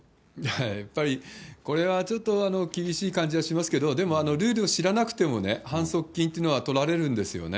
やっぱりこれはちょっと厳しい感じがしますけど、でも、ルールを知らなくてもね、反則金というのはとられるんですよね。